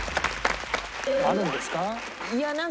あるんですか？